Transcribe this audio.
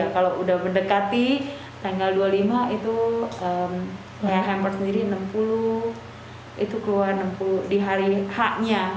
kalau udah mendekati tanggal dua puluh lima itu hampers sendiri enam puluh itu keluar di hari h nya